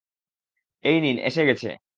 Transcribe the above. এই নিন, এসে গেছে।